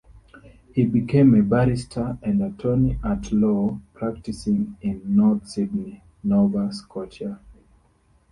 He became a barrister and attorney-at-law, practicing in North Sydney, Nova Scotia.